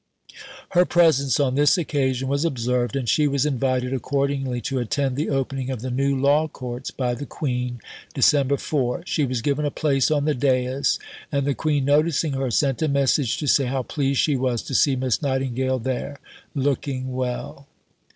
Her presence on this occasion was observed, and she was invited accordingly to attend the opening of the new Law Courts by the Queen (Dec. 4). She was given a place on the dais, and the Queen, noticing her, sent a message to say "how pleased she was to see Miss Nightingale there, looking well."